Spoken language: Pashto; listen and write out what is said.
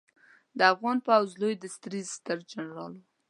د افغان پوځ لوی درستیز سترجنرال و